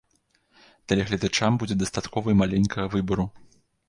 Тэлегледачам будзе дастаткова і маленькага выбару.